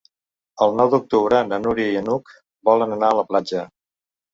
El nou d'octubre na Núria i n'Hug volen anar a la platja.